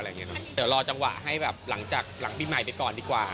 เดี๋ยวรอจังหวะให้แบบหลังจากหลังปีใหม่ไปก่อนดีกว่า